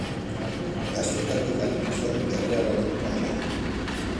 Gaztetatik aritu zen Errealaren taldean.